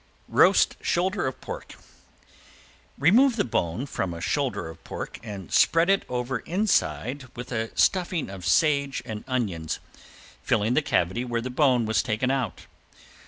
~ROAST SHOULDER OF PORK~ Remove the bone from a shoulder of pork and spread it over inside with a stuffing of sage and onions, filling the cavity where the bone was taken out.